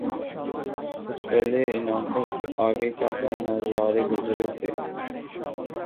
کچھ پہلے ان آنکھوں آگے کیا کیا نہ نظارا گزرے تھا